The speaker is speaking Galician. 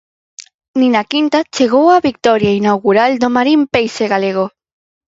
Nin á quinta chegou a vitoria inaugural do Marín Peixe Galego.